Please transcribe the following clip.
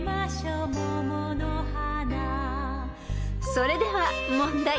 ［それでは問題］